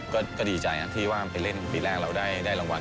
พี่ผมก็ดีใจนะที่ว่าไปเล่นปีแรกเราได้รางวัล